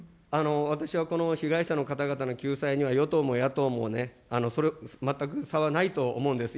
私はこの被害者の方々の救済には与党も野党もまったく差はないと思うんです。